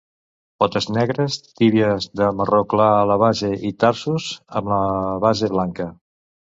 Potes negres, tíbies de marró clar a la base i tarsos amb la base blanca.